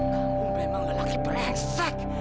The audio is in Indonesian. kamu memang lelaki beresek